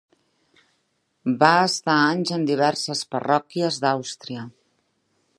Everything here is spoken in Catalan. Va estar anys en diverses parròquies d'Àustria.